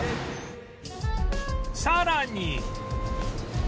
さらに